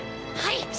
はい！